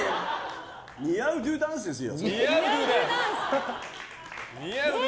似合うドゥーダンスですよ。